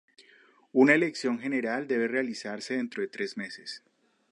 Una elección general debe realizarse dentro de tres meses.